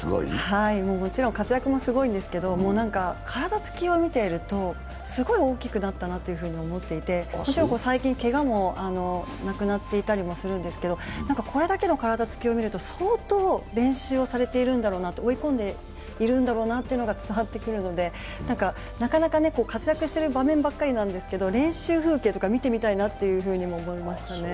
もちろん活躍もすごいんですけど体つきを見ていると、すごい大きくなったなと思っていて、もちろん最近けがもなくなっていたりもするんですけれども、これだけの体つきを見ると、相当練習をされているんだろうなと追いこんでいるんだろうなというのが伝わってくるのでなかなかね、活躍してる場面ばっかりなんですけど、練習風景とか見てみたいなというふうにも思いましたね。